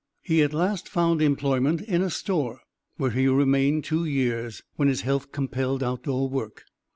He at last found employment in a store where he remained two years when his health compelled outdoor work.